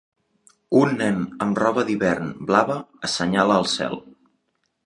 Un nen amb roba d'hivern blava assenyala al cel.